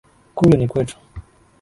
Kule ni kwetu